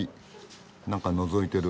何かのぞいてる。